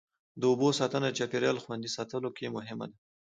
د اوبو ساتنه د چاپېریال خوندي ساتلو کې مهمه ده.